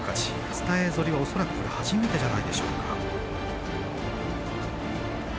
伝えぞり、おそらく初めてじゃないでしょうか。